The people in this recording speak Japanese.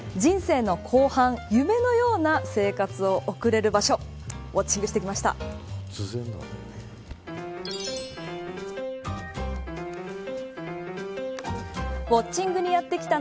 人生の後半、夢のような生活を送れる場所をウオッチングしてきました。